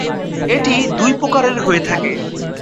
এটি দুই প্রকারের হয়ে থাকে।